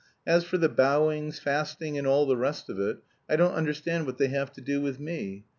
As for the bowings, fasting and all the rest of it, I don't understand what they have to do with me.